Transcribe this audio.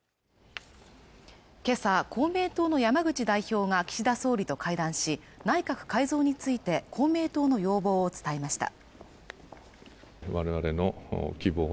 今朝公明党の山口代表が岸田総理と会談し内閣改造について公明党の要望を伝えました